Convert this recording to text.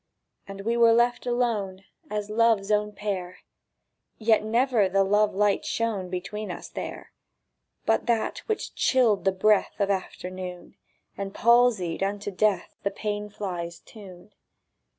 And we were left alone As Love's own pair; Yet never the love light shone Between us there! But that which chilled the breath Of afternoon, And palsied unto death The pane fly's tune.